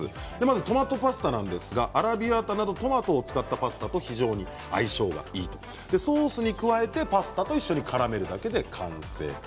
トマトパスタなんですがアラビアータなどトマトを使ったパスタと非常に相性がいいということでソースに加えてパスタと一緒にからめるだけで完成です。